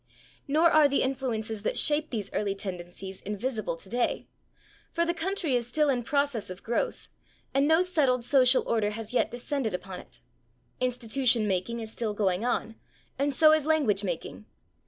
Nor are the influences that shaped these early tendencies invisible today, for the country is still in process of growth, and no settled social order has yet descended upon it. Institution making is still going on, and so is language making.